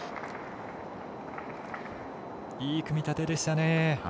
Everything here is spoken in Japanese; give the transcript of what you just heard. いい組み立てでした。